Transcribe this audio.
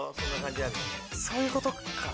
そういうことか。